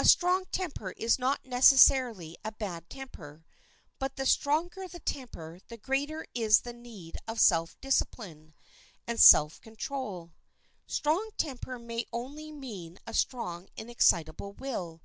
A strong temper is not necessarily a bad temper. But the stronger the temper the greater is the need of self discipline and self control. Strong temper may only mean a strong and excitable will.